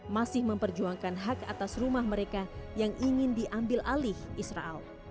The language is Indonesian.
masih memperjuangkan hak atas rumah mereka yang ingin diambil alih israel